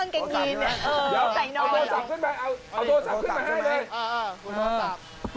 เดี๋ยวข้างตื่นแต่ว่ากางเกงนื่นใส่น้อย